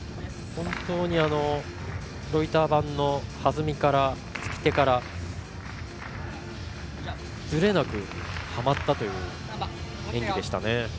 本当にロイター板の弾みから、つき手からずれなくはまったという演技でしたね。